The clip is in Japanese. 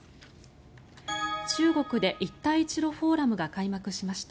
中国で一帯一路フォーラムが開幕しました。